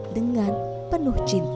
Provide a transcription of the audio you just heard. dengan penuh cinta